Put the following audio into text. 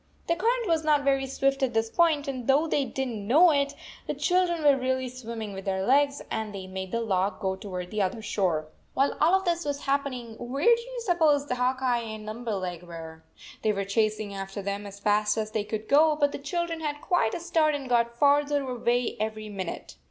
The current was not very swift at this point, and though they did n t know it, the children were really swimming with their legs, and they made the log go toward the other shore. While all of this was happening, where do you suppose Hawk Eye and Limberleg were? They were chasing after them as fast as they could go, but the children had 86 quite a start and got farther away every min ute.